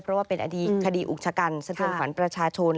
เพราะว่าเป็นอดีตคดีอุกชกรรมสถานฝันประชาชน